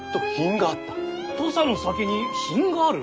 土佐の酒に品がある？